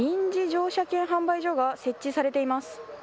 乗車券販売所が設置されています。